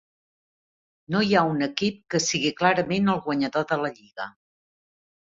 No hi ha un equip que sigui clarament el guanyador de la lliga.